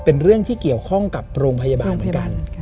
เป็นเรื่องที่เกี่ยวข้องกับโรงพยาบาลเหมือนกัน